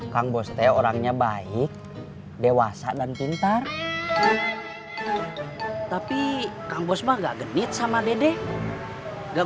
kang bos teh orangnya baik dewasa dan pintar tapi kang bos mah gak genit sama dede gak